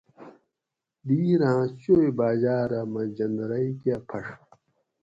ڈِگیراۤں چوئ باۤجاۤ رہ مۤہ جندرئ کۤہ پھڛ